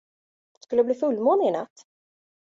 Skulle det bli fullmåne inatt?